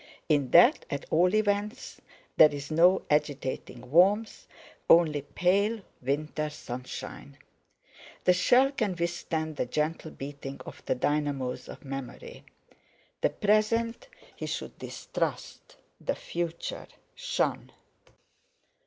In that, at all events, there is no agitating warmth, only pale winter sunshine. The shell can withstand the gentle beating of the dynamos of memory. The present he should distrust; the future shun.